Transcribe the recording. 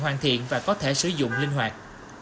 hoàn thiện và có thể sử dụng linh hoạt